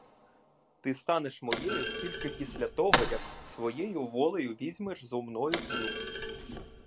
Ти станеш моєю тільки після того, як своєю волею візьмеш зо мною шлюб.